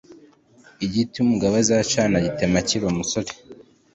igiti umugabo azacana agitera akiri umusore